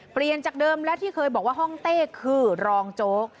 จากเดิมและที่เคยบอกว่าห้องเต้คือรองโจ๊ก